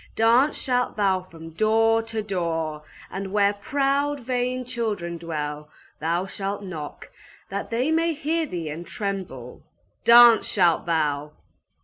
Dance shalt thou from door to door, and where proud, vain children dwell, thou shalt knock, that they may hear thee and tremble! Dance shalt thou